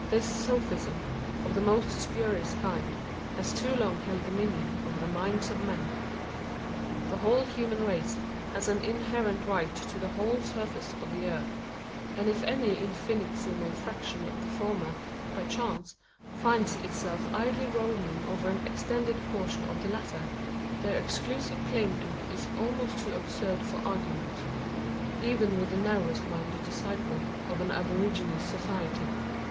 This sophism, of the most spurious kind, has too long held dominion over the minds of men. The whole human race has an inherent right to the whole surface of the earth: and if any infinitesimal fraction of the former by chance finds itself idly roaming over an extended portion of the latter, their exclusive claim to it is almost too absurd for argument even with the narrowest minded disciple of an aborigines society.